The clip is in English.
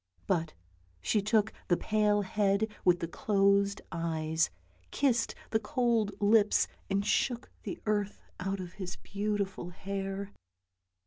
But she took the pale head with the closed eyes, kissed the cold lips and shook the earth out of his beautiful hair.